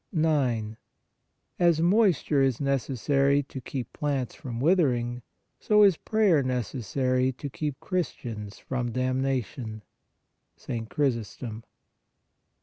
148 PRAYER 9. As moisture is necessary to keep plants from withering, so is prayer necessary to keep Christians from damnation (St. Chrysostom).